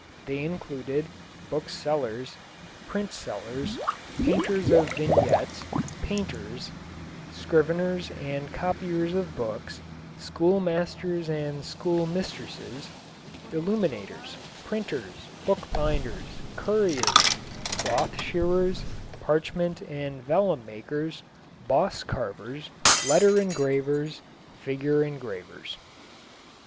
They included: Booksellers, Printsellers, Painters of vignettes, Painters, Scriveners and copiers of books, Schoolmasters and schoolmistresses, Illuminators, Printers, Bookbinders, Curriers, Cloth shearers, Parchment and vellum makers, Boss carvers, Letter engravers, Figure engravers.